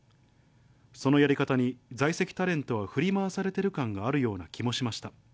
そのやり方に在籍タレントは振り回されてる感があるような気もしました。